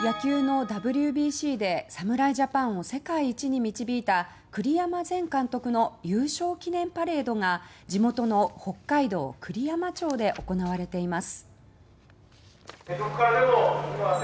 野球のＷＢＣで侍ジャパンを世界一に導いた栗山前監督の優勝記念パレードが地元の北海道栗山町で行われています。